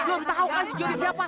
lo tau kan si johnny siapa